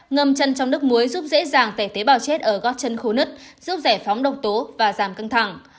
ngầm chân trong nước muối giúp dễ dàng tẩy tế bào chết ở gót chân khô nứt giúp giải phóng độc tố và giảm căng thẳng